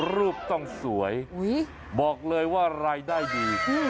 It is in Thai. รูปต้องสวยบอกเลยว่ารายได้ดี